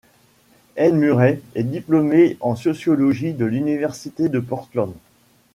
Ed Murray est diplômé en sociologie de l'université de Portland.